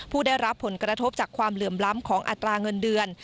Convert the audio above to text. ผู้ได้รับผลกระทบจากความเหลื่อมล้ำของอัตราเงินเดือน